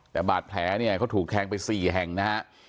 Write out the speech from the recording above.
แต่บาดแผลเนี่ยเขาถูกแทงไป๔แห่งนะฮะ